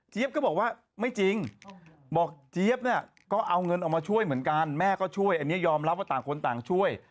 ก็บอกว่าไม่จริงบอกเจี๊ยบเนี่ยก็เอาเงินออกมาช่วยเหมือนกันแม่ก็ช่วยอันนี้ยอมรับว่าต่างคนต่างช่วย